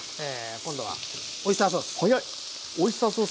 今度はオイスターソース。